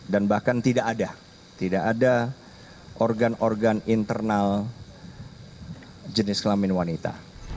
dan bahkan tidak ada organ organ internal jenis kelamin wanita